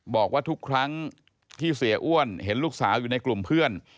บอกว่าทุกครั้งที่เสียอ้วนเห็นลูกสาวอยู่ในกลุ่มเพื่อน